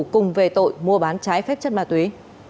cùng về tội mua bán trái phép chất ma túy